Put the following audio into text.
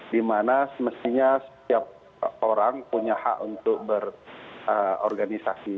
dimana semestinya setiap orang punya hak untuk berorganisasi